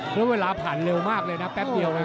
เพราะเวลาผ่านเร็วมากแป๊บเดียวนะ